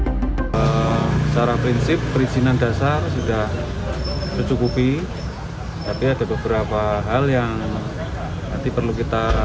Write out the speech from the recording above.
secara prinsip perizinan dasar sudah mencukupi tapi ada beberapa hal yang nanti perlu kita